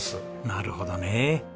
なるほどねえ。